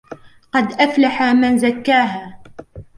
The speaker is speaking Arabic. قد أفلح من زكاها